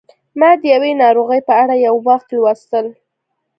ما د یوې ناروغۍ په اړه یو وخت لوستل